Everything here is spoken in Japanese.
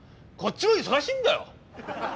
こっちも忙しいんだよ！？